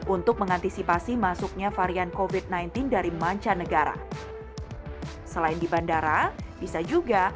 untuk mengantisipasi masuknya varian kofit sembilan belas dari mancanegara selain di bandara bisa juga